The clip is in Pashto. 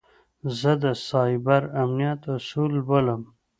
زه د سایبر امنیت اصول لولم.